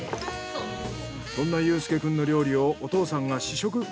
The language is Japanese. そんな悠介くんの料理をお父さんが試食。